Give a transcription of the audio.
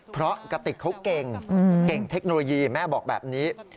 เพราะกะติกเขาเก่งเก่งเทคโนโลยีแม่บอกแบบนี้